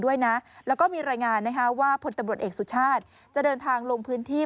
ด้วยนะแล้วก็มีรายงานนะคะว่าพลตำรวจเอกสุชาติจะเดินทางลงพื้นที่